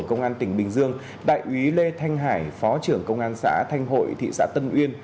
công an tỉnh bình dương đại úy lê thanh hải phó trưởng công an xã thanh hội thị xã tân uyên